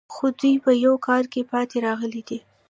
خو دوی په یوه کار کې پاتې راغلي دي